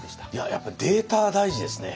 やっぱデータは大事ですね。